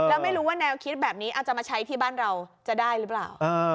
แล้วไม่รู้ว่าแนวคิดแบบนี้อาจจะมาใช้ที่บ้านเราจะได้หรือเปล่า